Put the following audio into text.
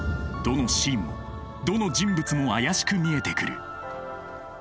どのシーンもどの人物も怪しく見えてくる。